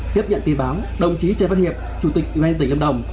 tiếp nhận tin báo đồng chí trần phát hiệp chủ tịch ngoại trưởng tỉnh lâm đồng